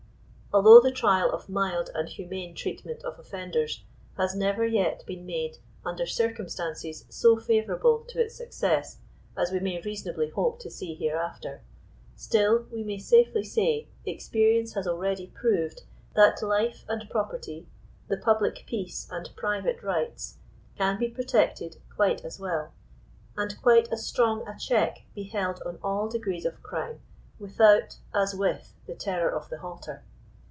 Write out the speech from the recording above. Although the trial of mild and humane treatment of ofl^enders has never yet been made under circumstances so favorable to its success as we may reasonably hope to see hereafter, still we may safely say experience has already proved that life and pro perty, the public peace and private rights, can be protected quite as as well ; and quite as strong a check be held on all de grees of crime, without, as with the terror of the halter.